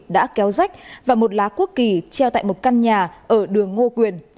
đã kéo rách và một lá quốc kỳ treo tại một căn nhà ở đường ngô quyền